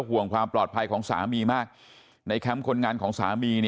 พวกมันกลับมาเมื่อเวลาที่สุดพวกมันกลับมาเมื่อเวลาที่สุด